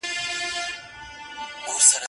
جهاني د قلم ژبه دي ګونګۍ که